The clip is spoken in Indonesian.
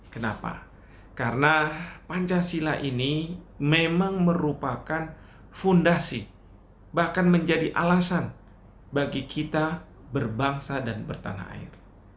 kenapa karena pancasila ini memang merupakan fundasi bahkan menjadi alasan bagi kita berbangsa dan bertanah air